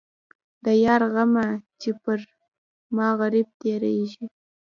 د یار غمه چې پر ما غريب تېرېږي.